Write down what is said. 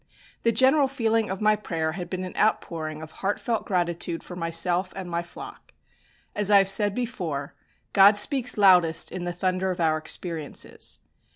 The general feeling of my prayer had been an outpouring of heartfelt gratitude for myself and my flock. As I have said before, God speaks loudest in the thunder of our experiences.